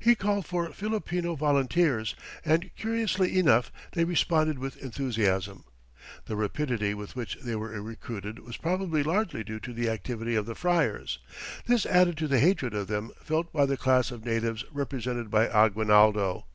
He called for Filipino volunteers, and, curiously enough, they responded with enthusiasm. The rapidity with which they were recruited was probably largely due to the activity of the friars. This added to the hatred of them felt by the class of natives represented by Aguinaldo.